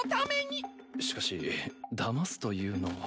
しかしだますというのは。